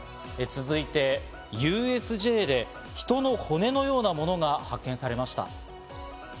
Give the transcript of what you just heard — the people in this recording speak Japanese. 続いて、ＵＳＪで人の骨のような物が発見されました。